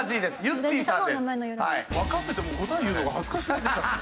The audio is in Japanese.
わかってても答え言うのが恥ずかしくなってきた。